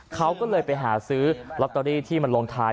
เขาก็เลยไปหาซื้อลอตเตอรี่ที่มันลงท้าย